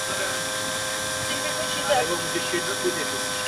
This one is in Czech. Je zřejmé, že se zabýváme důsledky daného problému, nikoli příčinami.